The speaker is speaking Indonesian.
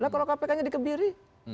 kalau kpk nya dikebiri